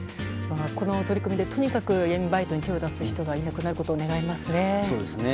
この取り組みでとにかく闇バイトに手を出す人が減ることを願いますね。